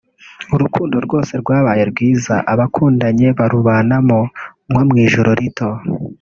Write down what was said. urukundo rwose rwabaye rwiza abakundanye barubanamo nko mu ijuru rito